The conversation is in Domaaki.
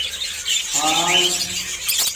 خآل